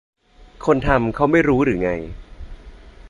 คนทำเค้าไม่รู้หรือไง